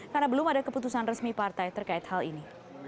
karena belum ada keputusan resmi partai terkait hal ini